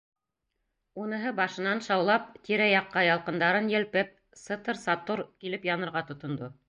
Уныһы башынан шаулап, тирә-яҡҡа ялҡындарын елпеп, сытыр-сатор килеп янырға тотондо.